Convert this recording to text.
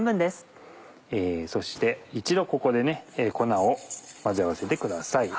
そして一度ここで粉を混ぜ合わせてください。